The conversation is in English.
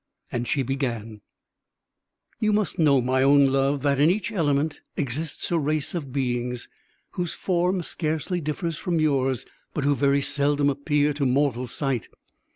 And she began: "You must know, my own love, that in each element exists a race of beings, whose form scarcely differs from yours, but who very seldom appear to mortal sight.